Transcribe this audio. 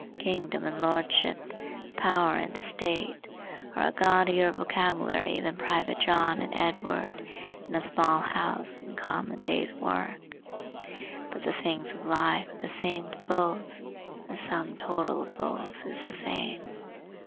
Kingdom and lordship, power and estate, are a gaudier vocabulary than private John and Edward in a small house and common day's work; but the things of life are the same to both; the sum total of both is the same.